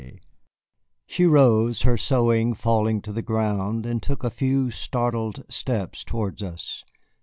'" She rose, her sewing falling to the ground, and took a few startled steps towards us.